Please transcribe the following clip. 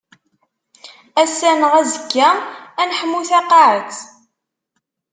Ass-a neɣ azekka ad neḥmu taqaɛet.